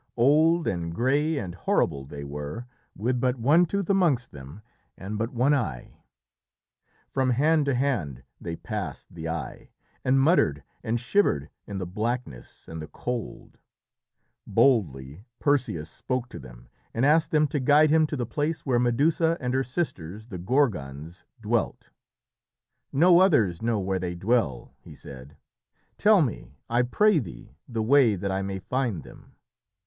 Old and grey and horrible they were, with but one tooth amongst them, and but one eye. From hand to hand they passed the eye, and muttered and shivered in the blackness and the cold. [Illustration: THEY WHIMPERED AND BEGGED OF HIM] Boldly Perseus spoke to them and asked them to guide him to the place where Medusa and her sisters the Gorgons dwelt. "No others know where they dwell," he said. "Tell me, I pray thee, the way that I may find them."